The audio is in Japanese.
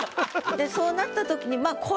でそうなった時にまあ